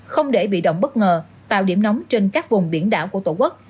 không để bị động bất ngờ tạo điểm nóng trên các vùng biển đảo của tổ quốc